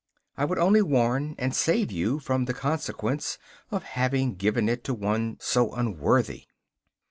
I would only warn and save you from the consequence of having given it to one so unworthy.